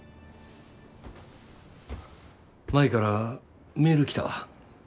舞からメール来たわ。